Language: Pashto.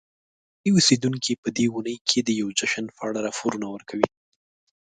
ځایی اوسیدونکي په دې اونۍ کې د یوې جشن په اړه راپور ورکوي.